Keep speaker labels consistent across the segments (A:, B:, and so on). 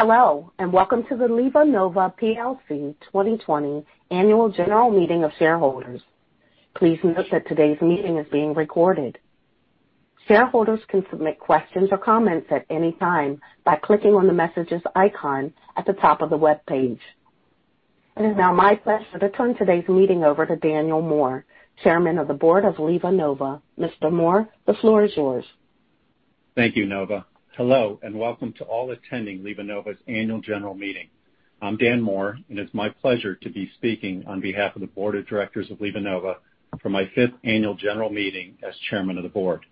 A: Hello, and welcome to the LivaNova PLC 2020 annual general meeting of shareholders. Please note that today's meeting is being recorded. Shareholders can submit questions or comments at any time by clicking on the messages icon at the top of the webpage. It is now my pleasure to turn today's meeting over to Daniel Moore, Chair of the Board of LivaNova. Mr. Moore, the floor is yours.
B: Thank you, Nova. Hello, and welcome to all attending LivaNova's annual general meeting. I'm Dan Moore, and it's my pleasure to be speaking on behalf of the board of directors of LivaNova for my fifth annual general meeting as Chairman of the Board.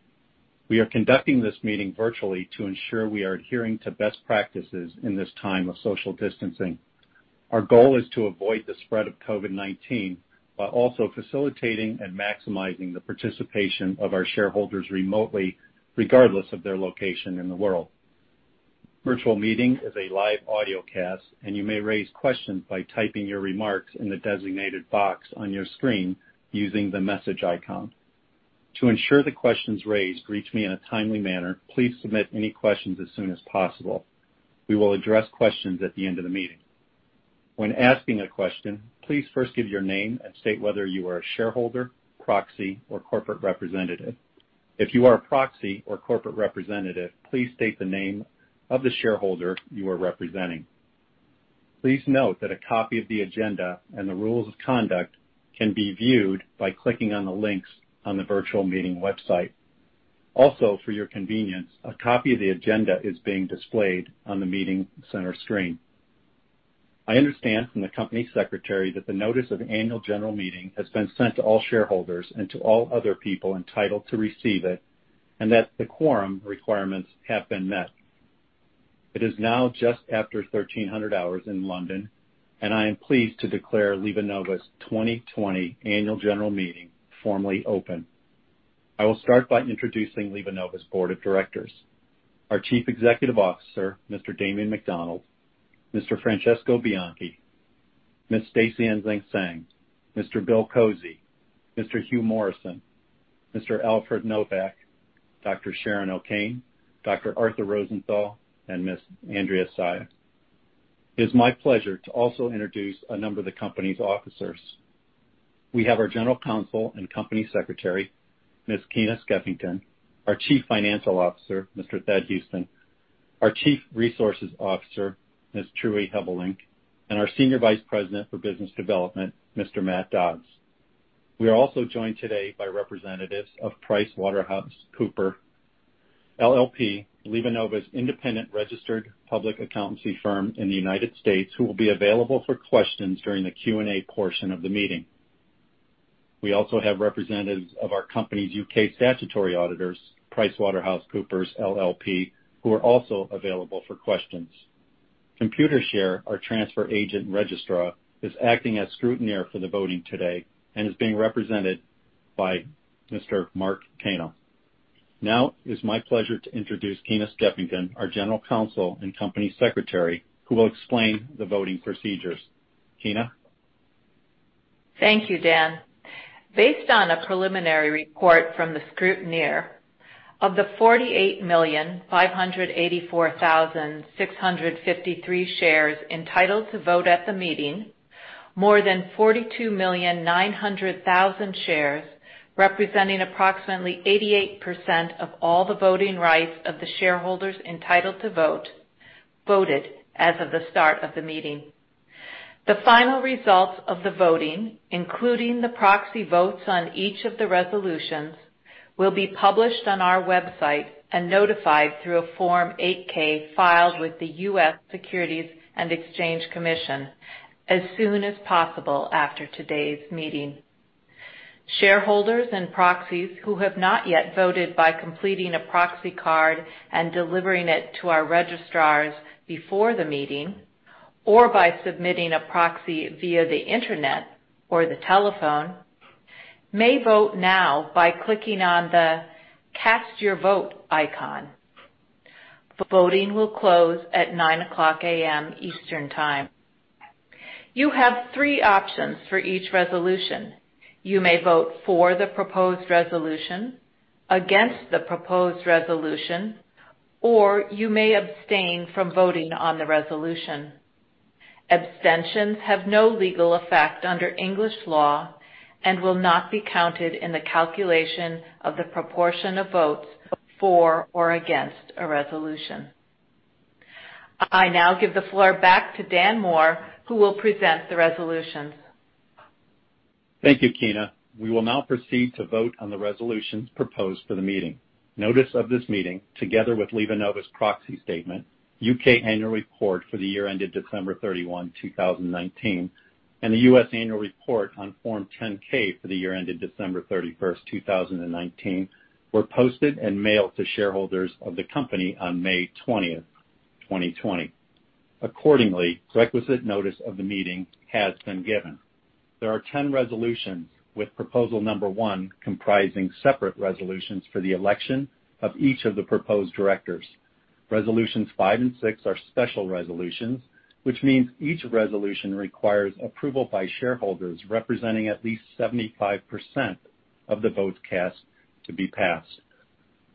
B: We are conducting this meeting virtually to ensure we are adhering to best practices in this time of social distancing. Our goal is to avoid the spread of COVID-19 while also facilitating and maximizing the participation of our shareholders remotely, regardless of their location in the world. Virtual meeting is a live audio cast, and you may raise questions by typing your remarks in the designated box on your screen using the message icon. To ensure the questions raised reach me in a timely manner, please submit any questions as soon as possible. We will address questions at the end of the meeting. When asking a question, please first give your name and state whether you are a shareholder, proxy, or corporate representative. If you are a proxy or corporate representative, please state the name of the shareholder you are representing. Please note that a copy of the agenda and the rules of conduct can be viewed by clicking on the links on the virtual meeting website. Also, for your convenience, a copy of the agenda is being displayed on the meeting center screen. I understand from the company secretary that the notice of annual general meeting has been sent to all shareholders and to all other people entitled to receive it, and that the quorum requirements have been met. It is now just after 1:00 P.M. in London, and I am pleased to declare LivaNova's 2020 annual general meeting formally open. I will start by introducing LivaNova's Board of Directors. Our Chief Executive Officer, Mr. Damien McDonald, Mr. Francesco Bianchi, Ms. Stacy Enxing Seng, Mr. Bill Kozy, Mr. Hugh Morrison, Mr. Alfred Novak, Dr. Sharon O'Kane, Dr. Arthur Rosenthal, and Ms. Andrea Saia. It is my pleasure to also introduce a number of the company's officers. We have our General Counsel and Company Secretary, Ms. Keyna Skeffington, our Chief Financial Officer, Mr. Thad Huston, our Chief Human Resources Officer, Ms. Trui Hebbelinck, and our Senior Vice President, Corporate Development, Mr. Matt Dodds. We are also joined today by representatives of PricewaterhouseCoopers LLP, LivaNova's independent registered public accountancy firm in the United States, who will be available for questions during the Q&A portion of the meeting. We also have representatives of our company's UK statutory auditors, PricewaterhouseCoopers LLP, who are also available for questions. Computershare, our transfer agent registrar, is acting as scrutineer for the voting today and is being represented by Mr. Mark Cano. Now it is my pleasure to introduce Keyna Skeffington, our general counsel and company secretary, who will explain the voting procedures. Keyna?
C: Thank you, Dan. Based on a preliminary report from the scrutineer, of the 48,584,653 shares entitled to vote at the meeting, more than 42,900,000 shares, representing approximately 88% of all the voting rights of the shareholders entitled to vote, voted as of the start of the meeting. The final results of the voting, including the proxy votes on each of the resolutions, will be published on our website and notified through a Form 8-K filed with the U.S. Securities and Exchange Commission as soon as possible after today's meeting. Shareholders and proxies who have not yet voted by completing a proxy card and delivering it to our registrars before the meeting or by submitting a proxy via the internet or the telephone may vote now by clicking on the Cast Your Vote icon. Voting will close at 9:00 A.M. Eastern Time. You have three options for each resolution. You may vote for the proposed resolution, against the proposed resolution, or you may abstain from voting on the resolution. Abstentions have no legal effect under English law and will not be counted in the calculation of the proportion of votes for or against a resolution. I now give the floor back to Dan Moore, who will present the resolutions.
B: Thank you, Keyna. We will now proceed to vote on the resolutions proposed for the meeting. Notice of this meeting, together with LivaNova's proxy statement, U.K. annual report for the year ended December 31, 2019, and the U.S. annual report on Form 10-K for the year ended December 31st, 2019, were posted and mailed to shareholders of the company on May 20th, 2020. Accordingly, requisite notice of the meeting has been given. There are 10 resolutions with proposal number 1 comprising separate resolutions for the election of each of the proposed directors. Resolutions five and six are special resolutions, which means each resolution requires approval by shareholders representing at least 75% of the votes cast to be passed.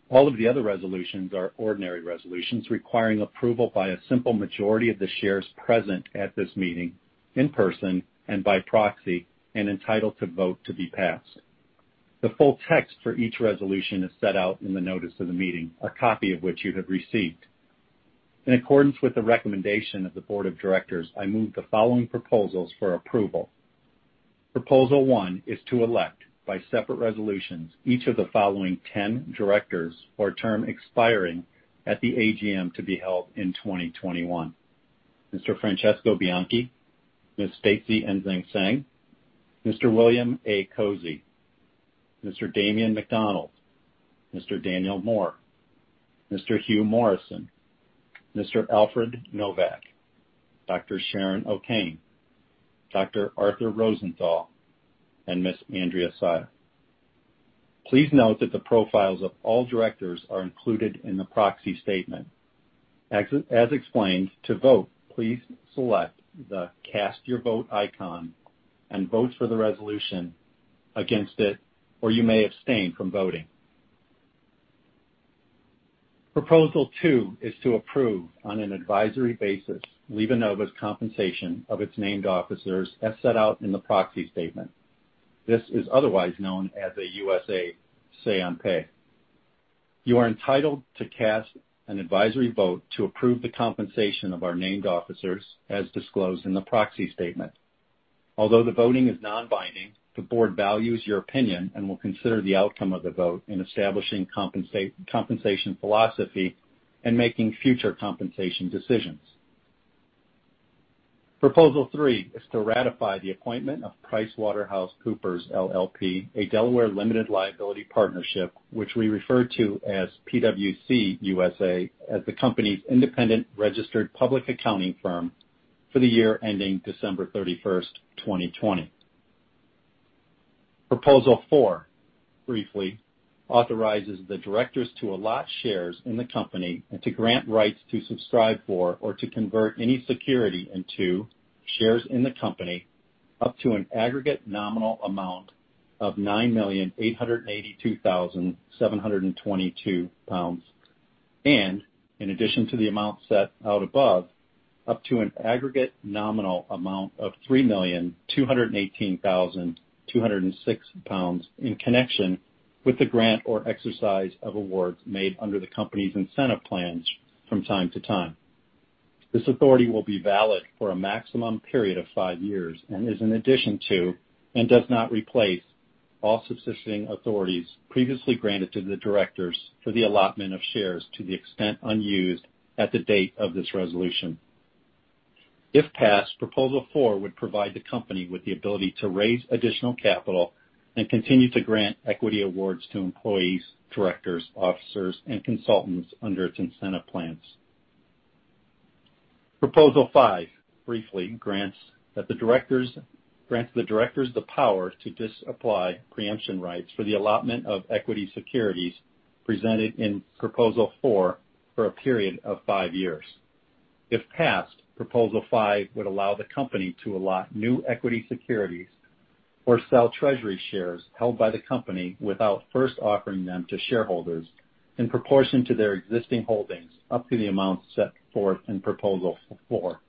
B: All of the other resolutions are ordinary resolutions requiring approval by a simple majority of the shares present at this meeting in person and by proxy and entitled to vote to be passed. The full text for each resolution is set out in the notice of the meeting, a copy of which you have received. In accordance with the recommendation of the board of directors, I move the following proposals for approval. Proposal one is to elect by separate resolutions each of the following 10 directors for a term expiring at the AGM to be held in 2021. Mr. Francesco Bianchi, Ms. Stacy Enxing Seng, Mr. William A. Kozy, Mr. Damien McDonald, Mr. Daniel Moore, Mr. Hugh Morrison, Mr. Alfred Novak, Dr. Sharon O'Kane, Dr. Arthur Rosenthal, and Ms. Andrea Saia. Please note that the profiles of all directors are included in the proxy statement. As explained, to vote, please select the Cast Your Vote icon and vote for the resolution, against it, or you may abstain from voting. Proposal two is to approve on an advisory basis LivaNova's compensation of its named officers as set out in the proxy statement. This is otherwise known as a USA say on pay. You are entitled to cast an advisory vote to approve the compensation of our named officers as disclosed in the proxy statement. Although the voting is non-binding, the board values your opinion and will consider the outcome of the vote in establishing compensation philosophy and making future compensation decisions. Proposal three is to ratify the appointment of PricewaterhouseCoopers LLP, a Delaware limited liability partnership, which we refer to as PwC USA, as the company's independent registered public accounting firm for the year ending December 31st, 2020. Proposal four briefly authorizes the directors to allot shares in the company and to grant rights to subscribe for or to convert any security into shares in the company up to an aggregate nominal amount of 9,882,722 pounds, and in addition to the amount set out above, up to an aggregate nominal amount of 3,218,206 pounds in connection with the grant or exercise of awards made under the company's incentive plans from time to time. This authority will be valid for a maximum period of five years and is in addition to and does not replace all subsisting authorities previously granted to the directors for the allotment of shares to the extent unused at the date of this resolution. If passed, proposal four would provide the company with the ability to raise additional capital and continue to grant equity awards to employees, directors, officers, and consultants under its incentive plans. Proposal five briefly grants the directors the power to just apply preemption rights for the allotment of equity securities presented in proposal four for a period of five years. If passed, proposal five would allow the company to allot new equity securities or sell treasury shares held by the company without first offering them to shareholders in proportion to their existing holdings, up to the amount set forth in proposal four.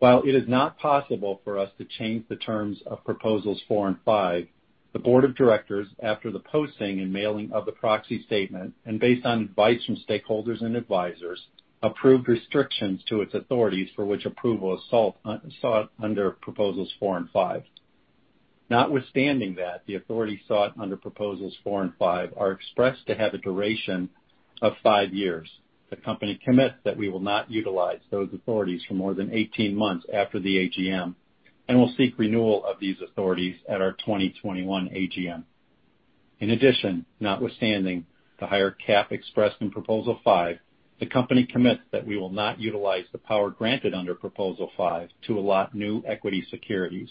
B: While it is not possible for us to change the terms of proposals four and five, the board of directors, after the posting and mailing of the proxy statement, and based on advice from stakeholders and advisors, approved restrictions to its authorities for which approval is sought under proposals four and five. Notwithstanding that, the authority sought under proposals four and five are expressed to have a duration of five years. The company commits that we will not utilize those authorities for more than 18 months after the AGM and will seek renewal of these authorities at our 2021 AGM. In addition, notwithstanding the higher cap expressed in proposal five, the company commits that we will not utilize the power granted under proposal five to allot new equity securities,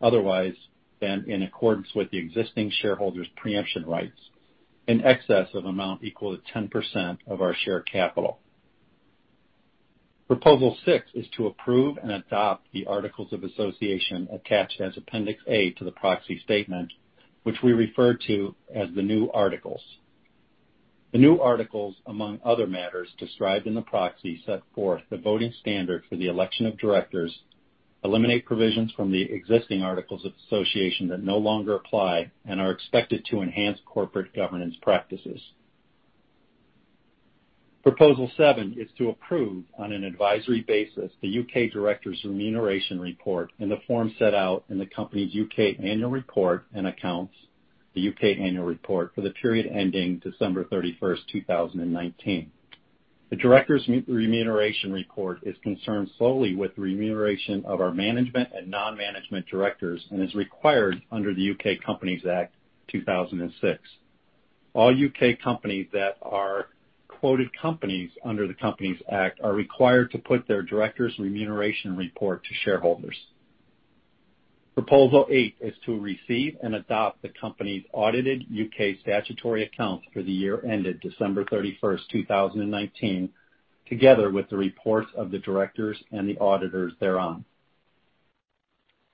B: otherwise than in accordance with the existing shareholders' preemption rights in excess of amount equal to 10% of our share capital. Proposal six is to approve and adopt the articles of association attached as Appendix A to the proxy statement, which we refer to as the new articles. The new articles, among other matters described in the proxy, set forth the voting standard for the election of directors, eliminate provisions from the existing articles of association that no longer apply, and are expected to enhance corporate governance practices. Proposal seven is to approve on an advisory basis the U.K. directors' remuneration report in the form set out in the company's U.K. annual report and accounts, the U.K. annual report for the period ending December 31st, 2019. The directors' remuneration report is concerned solely with remuneration of our management and non-management directors and is required under the U.K. Companies Act 2006. All U.K. companies that are quoted companies under the Companies Act are required to put their directors' remuneration report to shareholders. Proposal eight is to receive and adopt the company's audited UK statutory accounts for the year ended December 31st, 2019, together with the reports of the directors and the auditors thereon.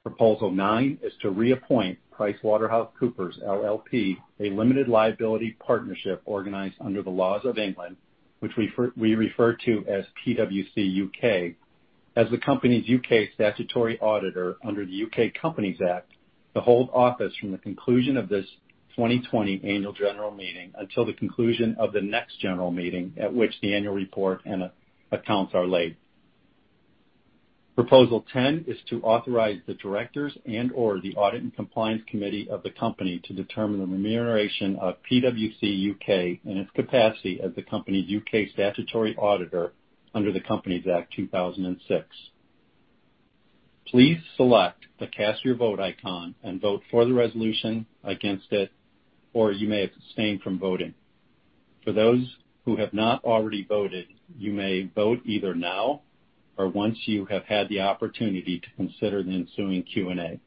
B: Proposal nine is to reappoint PricewaterhouseCoopers LLP, a limited liability partnership organized under the laws of England, which we refer to as PwC UK, as the company's UK statutory auditor under the UK Companies Act, to hold office from the conclusion of this 2020 annual general meeting until the conclusion of the next general meeting, at which the annual report and accounts are laid. Proposal 10 is to authorize the directors and/or the Audit and Compliance Committee of the company to determine the remuneration of PwC UK in its capacity as the company's UK statutory auditor under the Companies Act 2006. Please select the Cast Your Vote icon and vote for the resolution, against it, or you may abstain from voting. For those who have not already voted, you may vote either now or once you have had the opportunity to consider the ensuing Q&A.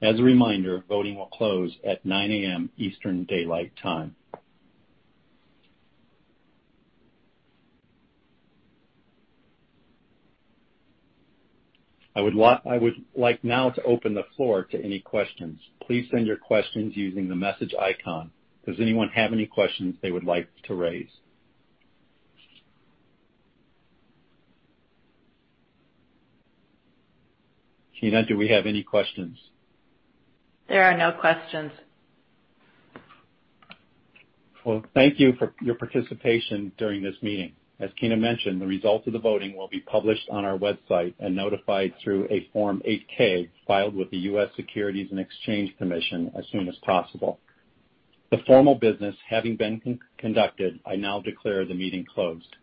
B: As a reminder, voting will close at 9:00 A.M. Eastern Daylight Time. I would like now to open the floor to any questions. Please send your questions using the message icon. Does anyone have any questions they would like to raise? Keyna, do we have any questions?
C: There are no questions.
B: Well, thank you for your participation during this meeting. As Keyna mentioned, the results of the voting will be published on our website and notified through a Form 8-K filed with the US Securities and Exchange Commission as soon as possible. The formal business having been conducted, I now declare the meeting closed.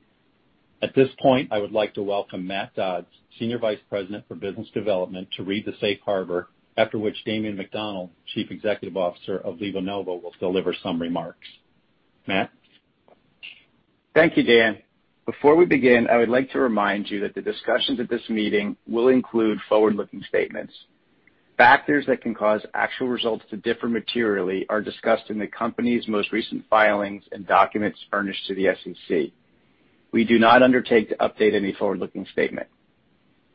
B: At this point, I would like to welcome Matt Dodds, Senior Vice President for Business Development, to read the safe harbor, after which Damien McDonald, Chief Executive Officer of LivaNova, will deliver some remarks. Matt?
D: Thank you, Dan. Before we begin, I would like to remind you that the discussions at this meeting will include forward-looking statements. Factors that can cause actual results to differ materially are discussed in the company's most recent filings and documents furnished to the SEC. We do not undertake to update any forward-looking statement.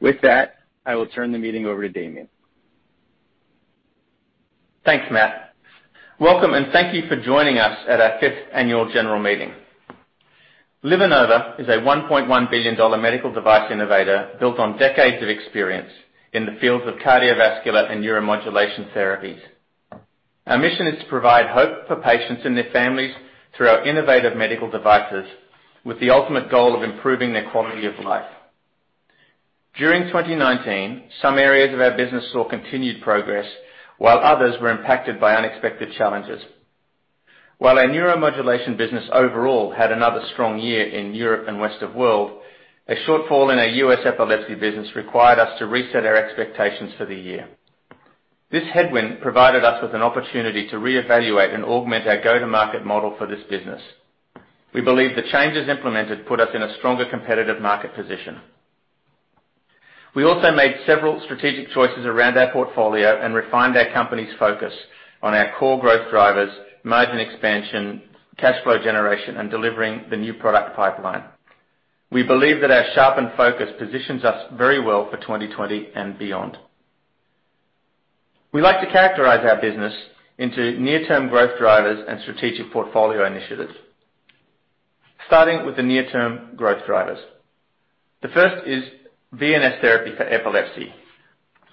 D: With that, I will turn the meeting over to Damien.
E: Thanks, Matt. Welcome and thank you for joining us at our fifth annual general meeting. LivaNova is a $1.1 billion medical device innovator built on decades of experience in the fields of cardiovascular and neuromodulation therapies. Our mission is to provide hope for patients and their families through our innovative medical devices, with the ultimate goal of improving their quality of life. During 2019, some areas of our business saw continued progress, while others were impacted by unexpected challenges. While our neuromodulation business overall had another strong year in Europe and rest of world, a shortfall in our U.S. epilepsy business required us to reset our expectations for the year. This headwind provided us with an opportunity to reevaluate and augment our go-to-market model for this business. We believe the changes implemented put us in a stronger competitive market position. We also made several strategic choices around our portfolio and refined our company's focus on our core growth drivers, margin expansion, cash flow generation, and delivering the new product pipeline. We believe that our sharpened focus positions us very well for 2020 and beyond. We like to characterize our business into near-term growth drivers and strategic portfolio initiatives. Starting with the near-term growth drivers. The first is VNS Therapy for epilepsy.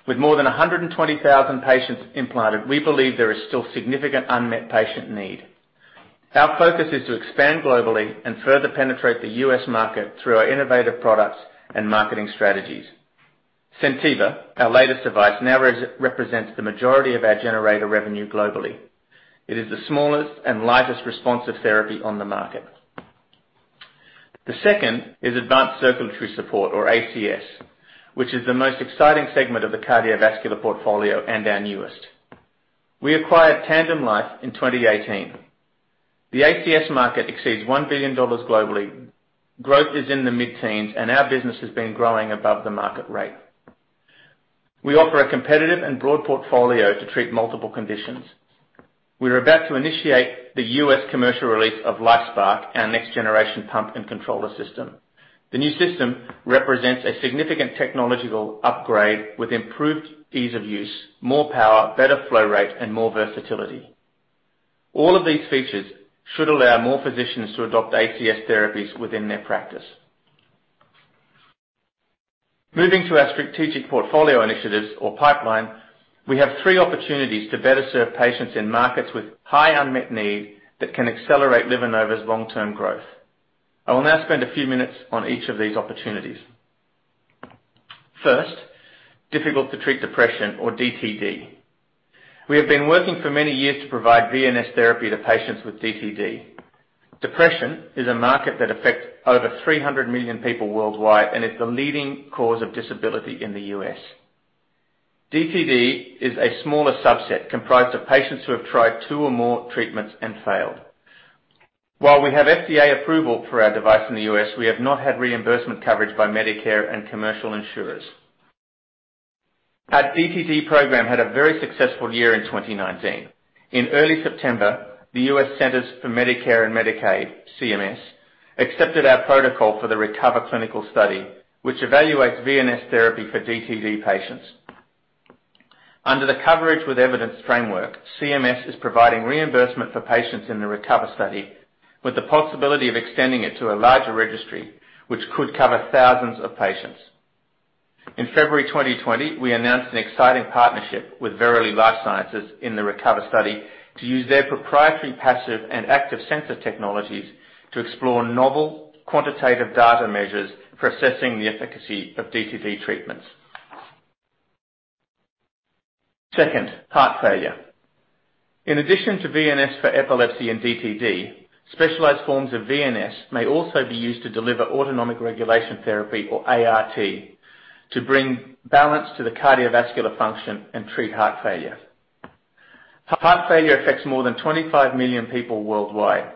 E: With more than 120,000 patients implanted, we believe there is still significant unmet patient need. Our focus is to expand globally and further penetrate the U.S. market through our innovative products and marketing strategies. SenTiva, our latest device, now represents the majority of our generator revenue globally. It is the smallest and lightest responsive therapy on the market. The second is Advanced Circulatory Support, or ACS, which is the most exciting segment of the cardiovascular portfolio and our newest. We acquired TandemLife in 2018. The ACS market exceeds $1 billion globally. Growth is in the mid-teens, and our business has been growing above the market rate. We offer a competitive and broad portfolio to treat multiple conditions. We're about to initiate the U.S. commercial release of LifeSPARC, our next-generation pump and controller system. The new system represents a significant technological upgrade with improved ease of use, more power, better flow rate, and more versatility. All of these features should allow more physicians to adopt ACS therapies within their practice. Moving to our strategic portfolio initiatives or pipeline, we have three opportunities to better serve patients in markets with high unmet need that can accelerate LivaNova's long-term growth. I will now spend a few minutes on each of these opportunities. First, difficult to treat depression or DTD.
B: We have been working for many years to provide VNS Therapy to patients with DTD. Depression is a market that affects over 300 million people worldwide and is the leading cause of disability in the U.S. DTD is a smaller subset comprised of patients who have tried two or more treatments and failed. While we have FDA approval for our device in the U.S., we have not had reimbursement coverage by Medicare and commercial insurers. Our DTD program had a very successful year in 2019. In early September, the U.S. Centers for Medicare & Medicaid, CMS, accepted our protocol for the RECOVER clinical study, which evaluates VNS Therapy for DTD patients. Under the coverage with evidence framework, CMS is providing reimbursement for patients in the RECOVER study, with the possibility of extending it to a larger registry, which could cover thousands of patients. In February 2020, we announced an exciting partnership with Verily Life Sciences in the RECOVER study to use their proprietary passive and active sensor technologies to explore novel quantitative data measures for assessing the efficacy of DTD treatments. Second, heart failure. In addition to VNS for epilepsy and DTD, specialized forms of VNS may also be used to deliver autonomic regulation therapy or ART to bring balance to the cardiovascular function and treat heart failure. Heart failure affects more than 25 million people worldwide.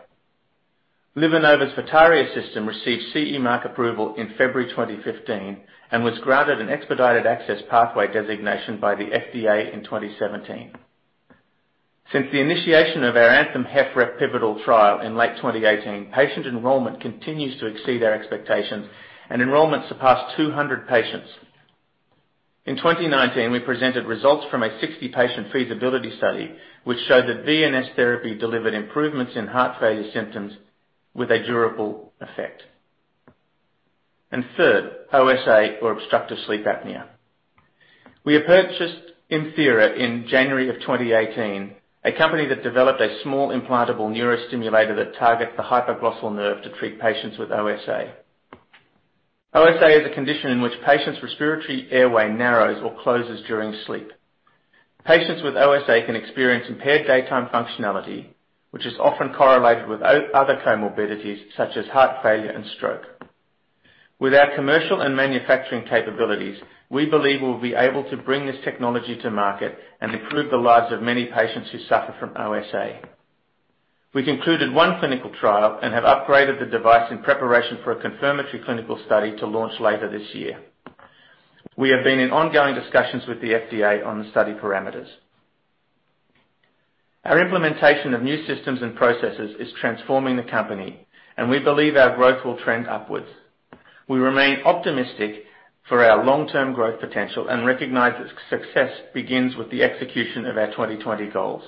E: LivaNova's VITARIA system received CE marking approval in February 2015 and was granted an Expedited Access Pathway designation by the FDA in 2017. Since the initiation of our ANTHEM-HFrEF pivotal trial in late 2018, patient enrollment continues to exceed our expectations, and enrollment surpassed 200 patients. In 2019, we presented results from a 60-patient feasibility study, which showed that VNS Therapy delivered improvements in heart failure symptoms with a durable effect. Third, OSA or obstructive sleep apnea. We have purchased ImThera Medical in January of 2018, a company that developed a small implantable neurostimulator that targets the hypoglossal nerve to treat patients with OSA. OSA is a condition in which patients' respiratory airway narrows or closes during sleep. Patients with OSA can experience impaired daytime functionality, which is often correlated with other comorbidities such as heart failure and stroke. With our commercial and manufacturing capabilities, we believe we'll be able to bring this technology to market and improve the lives of many patients who suffer from OSA. We concluded one clinical trial and have upgraded the device in preparation for a confirmatory clinical study to launch later this year. We have been in ongoing discussions with the FDA on the study parameters. Our implementation of new systems and processes is transforming the company, and we believe our growth will trend upwards. We remain optimistic for our long-term growth potential and recognize that success begins with the execution of our 2020 goals.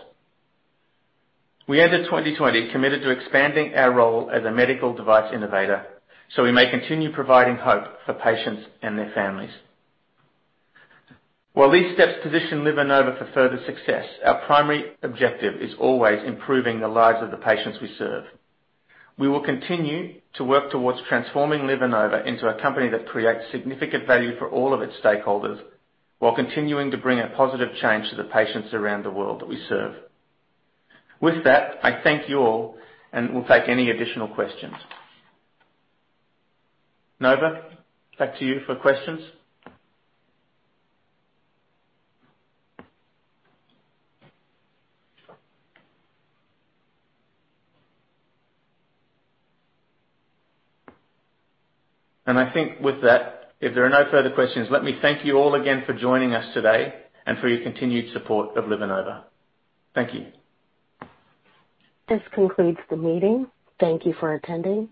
E: We enter 2020 committed to expanding our role as a medical device innovator, so we may continue providing hope for patients and their families. While these steps position LivaNova for further success, our primary objective is always improving the lives of the patients we serve. We will continue to work towards transforming LivaNova into a company that creates significant value for all of its stakeholders while continuing to bring a positive change to the patients around the world that we serve. With that, I thank you all, and we'll take any additional questions. Nova, back to you for questions. I think with that, if there are no further questions, let me thank you all again for joining us today and for your continued support of LivaNova. Thank you.
A: This concludes the meeting. Thank you for attending.